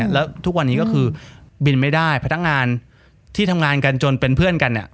แล้วทุกวันนี้ก็คือบินไม่ได้พนักงานที่ทำงานกันจนเป็นเพื่อนกันเนี่ย